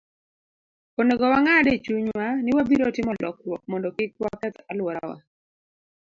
Onego wang'ad e chunywa ni wabiro timo lokruok mondo kik waketh alworawa.